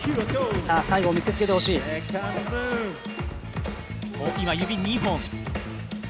さあ、最後見せつけてほしい今指２本。